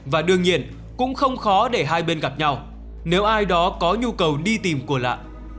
và đương nhiên cũng không khó để hai bên gặp nhau nếu ai đó có nhu cầu đi tìm của lạ